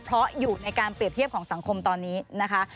เพราะอยู่ในการเปรียบเทียบของสังคมตอนนี้นะคะ